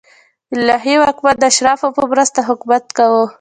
الهي واکمن د اشرافو په مرسته حکومت کاوه.